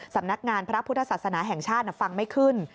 สำนักงานพระพุทธศาสนาแห่งชาติฟังไม่ขึ้น